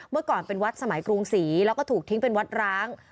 เมื่อก่อนเป็นวัดสมัยกรุงศรีแล้วก็ถูกทิ้งเป็นวัดร้าง